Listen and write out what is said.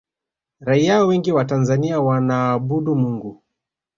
raia wengi wa tanzania wanaabudu mungu